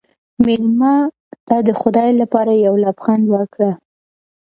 مېلمه ته د خدای لپاره یو لبخند ورکړه.